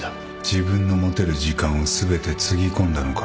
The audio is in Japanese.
自分の持てる時間を全てつぎ込んだのか？